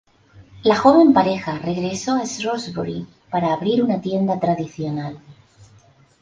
La joven pareja regresó a Shrewsbury para abrir una tienda tradicional.